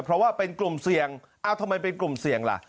เพราะว่าเป็นกลุ่มเสี่ยงเอ้าทำไมเป็นกลุ่มเสี่ยงล่ะ